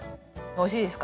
おいしいです。